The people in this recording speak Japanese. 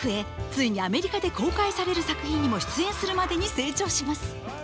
ついにアメリカで公開される作品にも出演するまでに成長します。